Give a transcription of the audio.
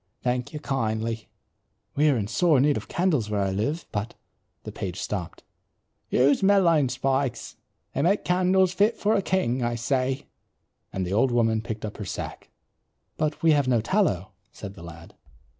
Thank you kindly." "We are in sore need of candles where I live, but " the page stopped. "Use mullein spikes. They make candles fit for a king, I say," and the old woman picked up her sack. "But we have no tallow," said the lad.